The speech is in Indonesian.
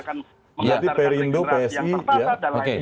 kaderisasinya akan mengatakan segenerasi yang tertata dan lain lain